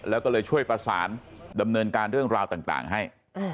แล้วก็เลยช่วยประสานดำเนินการเรื่องราวต่างให้